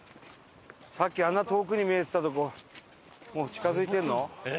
さっきあんな遠くに見えてたとこもう近づいてるの？